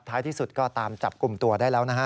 ท้ายที่สุดก็ตามจับกุมตัวได้แล้ว